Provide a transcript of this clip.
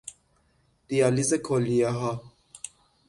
دیالیز کلیهها